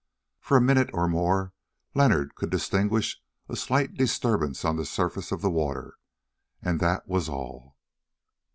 For a minute or more Leonard could distinguish a slight disturbance on the surface of the water, and that was all.